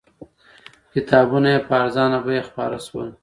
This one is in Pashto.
کتابونه یې په ارزانه بیه خپاره شول.